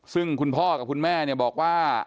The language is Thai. ซึ่งคุณพ่อกับคุณแม่เนี่ยบอกว่า